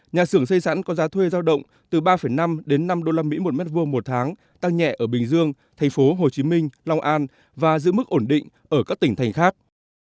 nhà xưởng xây sẵn có giá thuê giao động từ ba năm đến năm usd một m hai một tháng tăng nhẹ ở bình dương thành phố hồ chí minh long an và giữ mức ổn định ở các tỉnh thành khác